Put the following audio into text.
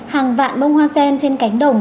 hàng vạn bông hoa sen trên cánh đồng